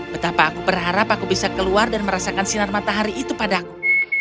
betapa aku berharap aku bisa keluar dan merasakan sinar matahari itu padaku